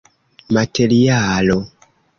materialo